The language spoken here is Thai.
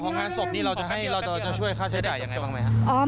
ทางฝั่งของมหาศูกร์นี้เราจะช่วยค่าใช้จ่ายยังไงบ้างไหมครับ